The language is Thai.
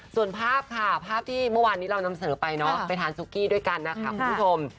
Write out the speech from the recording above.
ส่วนภาพค่ะภาพที่เมื่อวานนี้เรานำเสนอไปเนาะไปทานซุกี้ด้วยกันนะคะคุณผู้ชม